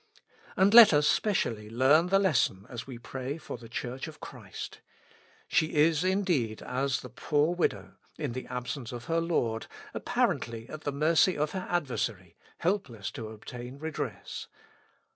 And let us specially learn the lesson as we pray for the Church of Christ. She is indeed as the poor widow, in the absence of her Lord, apparently at the mercy of her adversary, helpless to obtain redress.